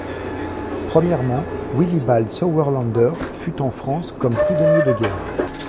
Premièrement, Willibald Sauerländer fut en France comme prisonnier de guerre.